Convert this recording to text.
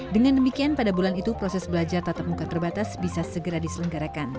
dengan demikian pada bulan itu proses belajar tatap muka terbatas bisa segera diselenggarakan